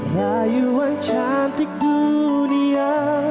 layuan cantik dunia